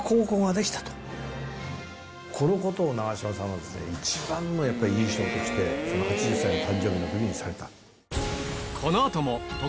このことを長嶋さんは一番の印象として８０歳の誕生日の時にされた。